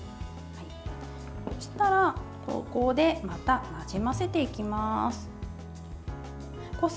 そしたら、ここでまたなじませていきます。